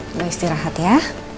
udah istirahat ya